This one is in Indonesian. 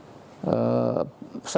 saya pernah ekspor itu ya